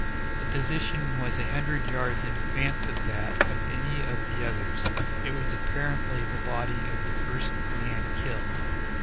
Its position was a hundred yards in advance of that of any of the others it was apparently the body of the first man killed.